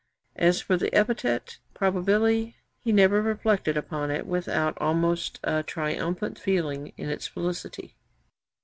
As for the epithet probabili, he 'never reflected upon it without almost a triumphant feeling in its felicity.'